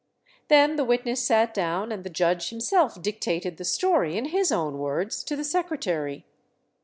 Then the witness sat down and the judge himself dictated the story in his own words to the secretary.